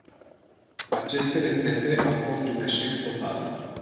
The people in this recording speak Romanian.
Aceste rețete au fost un eșec total.